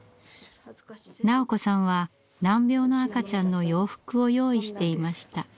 斉子さんは難病の赤ちゃんの洋服を用意していました。